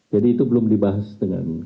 jadi itu belum dibahas dengan